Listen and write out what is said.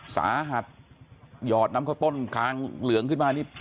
สาหัสหยอดน้ำข้าวต้นคางเหลืองขึ้นมานี่